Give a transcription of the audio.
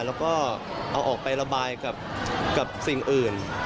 แล้วก็เอาออกไประบายกับสิ่งอื่น